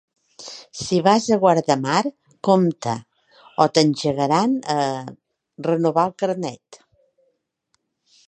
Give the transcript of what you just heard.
Si vas a Guardamar, compte, o t'engegaran a... renovar el carnet.